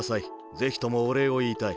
ぜひともおれいをいいたい。